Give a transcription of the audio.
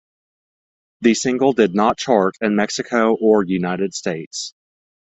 The single did not chart in Mexico or United States.